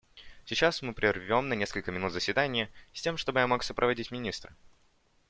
Сейчас мы прервем на несколько минут заседание, с тем чтобы я мог сопроводить министра.